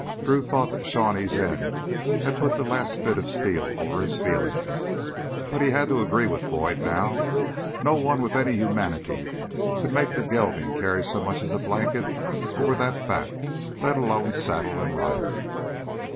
Drew thought that Shawnee's end had put the last bit of steel over his feelings, but he had to agree with Boyd now: no one with any humanity could make the gelding carry so much as a blanket over that back, let alone saddle and rider.